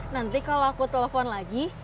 nanti kalau aku telepon lagi